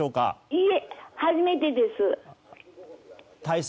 いいえ、初めてです。